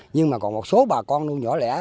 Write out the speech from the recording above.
nhưng mà còn một số bà con nuôi nhỏ lẻ